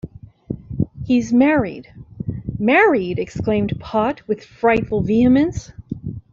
‘He’s married.’ ‘Married!’ exclaimed Pott, with frightful vehemence.